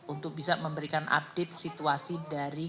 untuk bisa memberikan aplikasi